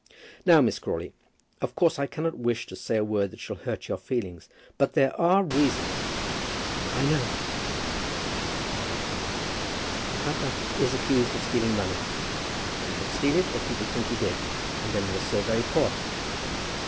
"Now, Miss Crawley, of course I cannot wish to say a word that shall hurt your feelings. But there are reasons " "I know," said she, interrupting him. "Papa is accused of stealing money. He did not steal it, but people think he did. And then we are so very poor."